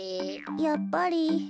やっぱり。